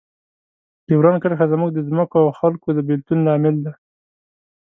ډیورنډ کرښه زموږ د ځمکو او خلکو د بیلتون لامل ده.